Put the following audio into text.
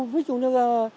ví dụ như là